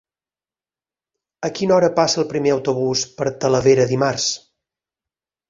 A quina hora passa el primer autobús per Talavera dimarts?